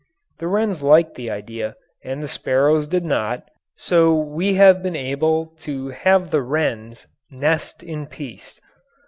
The wrens liked the idea and the sparrows did not, so we have been able to have the wrens nest in peace.